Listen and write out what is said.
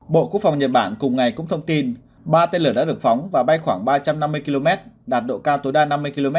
bộ quốc phòng nhật bản cùng ngày cũng thông tin ba tên lửa đã được phóng và bay khoảng ba trăm năm mươi km đạt độ cao tối đa năm mươi km